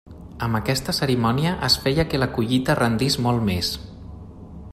Amb aquesta cerimònia, es feia que la collita rendís molt més.